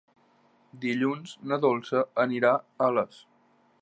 Dilluns na Dolça anirà a Les.